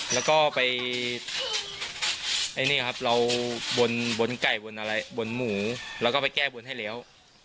แล้วก็ไปเราบนไก่บนหมูแล้วก็ไปแก้บนให้เหลียว